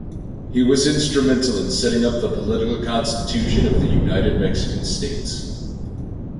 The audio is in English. He was instrumental in setting up the political constitution of the United Mexican States.